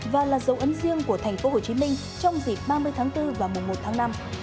và là dấu ấn riêng của thành phố hồ chí minh trong dịp ba mươi tháng bốn và mùa một tháng năm